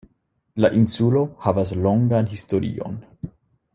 La insulo havas longan historion.